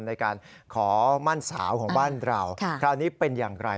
ในการขอมั่นสาวของบ้านเราคราวนี้เป็นอย่างไร